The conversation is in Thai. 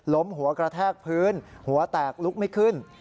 หัวกระแทกพื้นหัวแตกลุกไม่ขึ้น